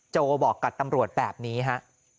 โจบอกกับตำรวจแบบนี้ฮะ